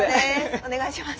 お願いします。